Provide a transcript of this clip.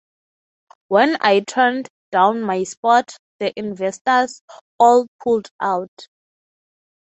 When I turned down my spot, the investors all pulled out.